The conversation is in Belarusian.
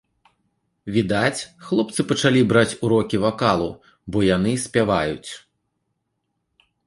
Відаць, хлопцы пачалі браць урокі вакалу, бо яны спяваюць!